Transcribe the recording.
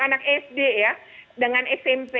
anak sd ya dengan smp